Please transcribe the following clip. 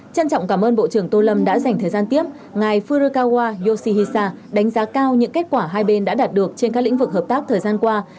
trân trọng cảm ơn bộ trưởng tô lâm đã dành thời gian tiếp ngài furokawa yoshihisa đánh giá cao những kết quả hai bên đã đạt được trên các lĩnh vực hợp tác thời gian qua